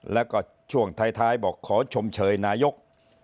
แล้วก็ช่วงท้ายบอกขอชมเชยนายก